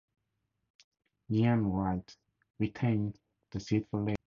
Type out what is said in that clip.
Iain Wright retained the seat for Labour.